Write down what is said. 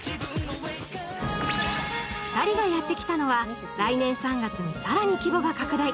２人がやってきたのは、来年３月に更に規模が拡大。